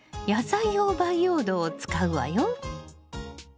野菜用培養土を使うわよ。